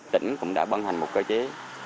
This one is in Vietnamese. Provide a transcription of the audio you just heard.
tỉnh cũng đã băng hành một cơ chế